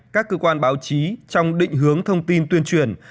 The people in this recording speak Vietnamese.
các cơ quan báo chí trong định hướng thông tin tuyên truyền